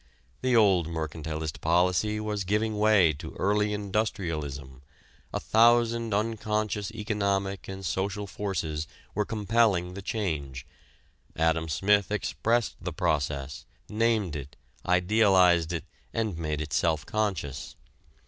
The old mercantilist policy was giving way to early industrialism: a thousand unconscious economic and social forces were compelling the change. Adam Smith expressed the process, named it, idealized it and made it self conscious.